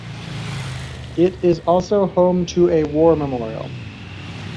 It is also home to a war memorial.